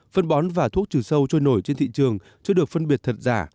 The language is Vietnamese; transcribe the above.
phân bón và thuốc trừ sâu trôi nổi trên thị trường chưa được phân biệt thật giả